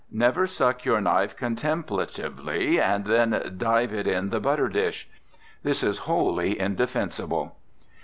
Never suck your knife contemplatively, and then dive it in the butter dish. This is wholly indefensible.